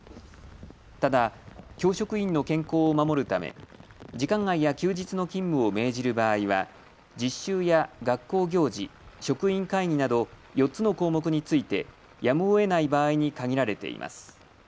ただ、教職員の健康を守るため時間外や休日の勤務を命じる場合は実習や学校行事、職員会議など４つの項目についてやむをえない場合に限られています。